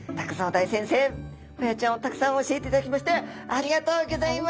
大先生ホヤちゃんをたくさん教えていただきましてありがとうギョざいます！